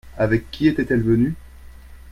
Avec qui était-elle venu ?